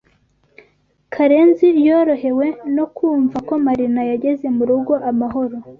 Karenzi yorohewe no kumva ko Marina yageze mu rugo amahoro.